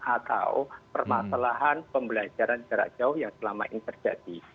atau permasalahan pembelajaran jarak jauh yang selama ini terjadi